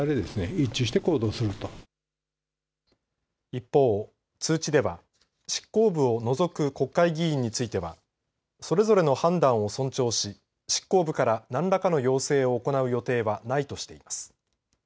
一方、通知では執行部を除く国会議員についてはそれぞれの判断を尊重し執行部から何らかの要請を行う予定はないとしています。